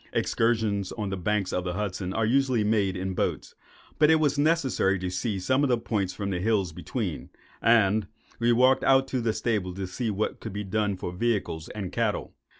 Excursions on the banks of the Hudson are usually made in boats; but it was necessary to see some points of view from the hills between, and we walked out to the stables to see what could be done for vehicles and cattle.